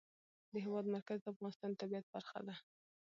د هېواد مرکز د افغانستان د طبیعت برخه ده.